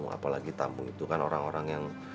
apalagi tamu itu kan orang orang yang